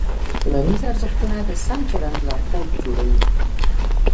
ټولنیز ارزښتونه د سم چلند لارښود جوړوي.